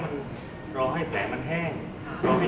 มันประกอบกันแต่ว่าอย่างนี้แห่งที่